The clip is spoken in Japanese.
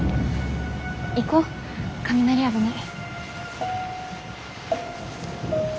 行こう雷危ない。